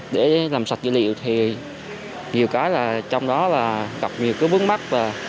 để làm sạch dữ liệu thì nhiều cái là trong đó là cập nhật cứ bước mắt